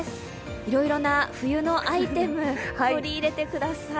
いろいろな冬のアイテム取り入れてください。